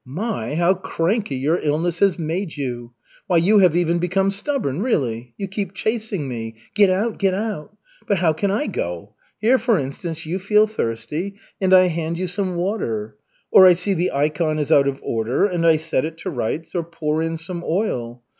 "My, how cranky your illness has made you! Why, you have even become stubborn, really. You keep chasing me, 'Get out, get out!' But how can I go? Here, for instance, you feel thirsty and I hand you some water. Or I see the ikon is out of order, and I set it to rights, or pour in some oil.